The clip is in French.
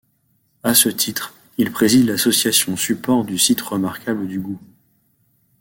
À ce titre, il préside l'association support du site remarquable du Goût.